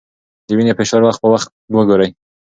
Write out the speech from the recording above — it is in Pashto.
د وینې فشار وخت په وخت وګورئ.